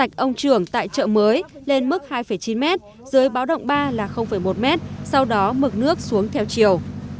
bạch ông trưởng tại chợ mới lên mức hai chín m dưới báo động ba là một m sau đó mực nước xuống theo chiều